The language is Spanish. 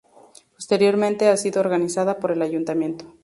Posteriormente ha sido organizada por el ayuntamiento.